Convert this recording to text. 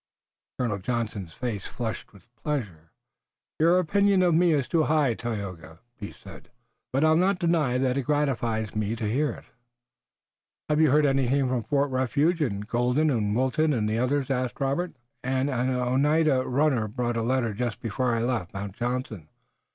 Colonel Johnson's face flushed with pleasure. "Your opinion of me is too high, Tayoga," he said, "but I'll not deny that it gratifies me to hear it." "Have you heard anything from Fort Refuge, and Colden and Wilton and the others?" asked Robert. "An Oneida runner brought a letter just before I left Mount Johnson.